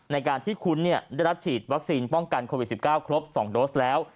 ในการที่คุณได้รับฉีดวัคซีนป้องกันโควิด๑๙ครบ๒โดสแล้ว